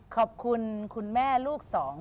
ขอบคุณคุณแม่ลูกสอง